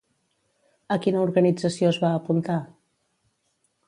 A quina organització es va apuntar?